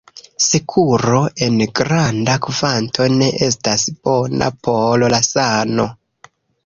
Sukero en granda kvanto ne estas bona por la sano.